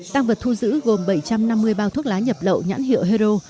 tăng vật thu giữ gồm bảy trăm năm mươi bao thuốc lá nhập lậu nhãn hiệu hero